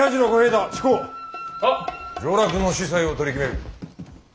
上洛の子細を取り決める。